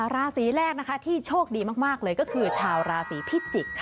ราศีแรกนะคะที่โชคดีมากเลยก็คือชาวราศีพิจิกค่ะ